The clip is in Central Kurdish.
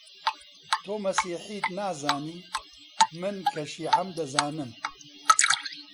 تۆ مەسیحیت نازانی، من کە شیعەم دەزانم: